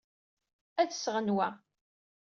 Ad d-sɣen wa.